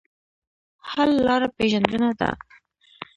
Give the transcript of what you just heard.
حل لاره پېژندنه ده.